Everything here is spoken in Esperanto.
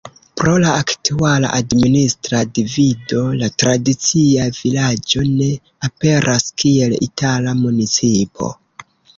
Pro la aktuala administra divido la tradicia vilaĝo ne aperas kiel itala municipo.